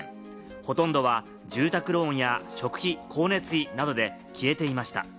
ほとんどは住宅ローンや食費、光熱費などで消えていました。